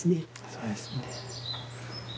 そうですね。